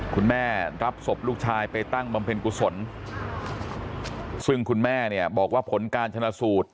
รับศพลูกชายไปตั้งบำเพ็ญกุศลซึ่งคุณแม่เนี่ยบอกว่าผลการชนะสูตร